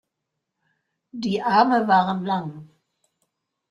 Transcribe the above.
Die Arme waren lang.